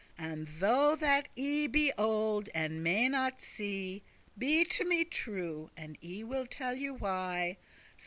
And though that I be old, and may not see, Be to me true, and I will tell you why.